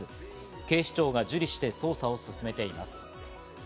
警視庁が受理して捜査を進めています。